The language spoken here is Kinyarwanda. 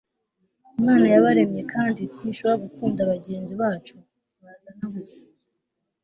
imana yabaremye, kandi ntishobora gukunda bagenzi bacu. bazana gusa